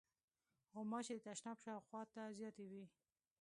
غوماشې د تشناب شاوخوا زیاتې وي.